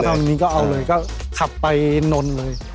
ถ้าทันวันนี้ก็เอาเลยก็ขับไปนนเลย